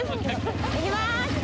いきまーす。